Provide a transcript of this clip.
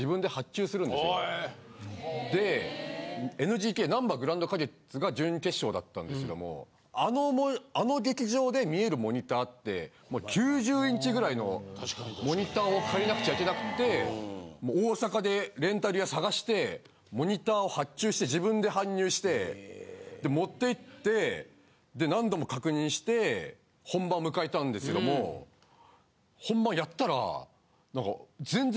でＮＧＫなんばグランド花月が準決勝だったんですけどもあの劇場で見えるモニターって９０インチぐらいのモニターを借りなくちゃいけなくって大阪でレンタル屋さがしてモニターを発注して自分で搬入してで持って行ってで何度も確認して本番迎えたんですけども本番やったら。え？